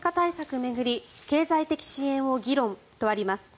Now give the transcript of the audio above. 巡り経済的支援を議論とあります。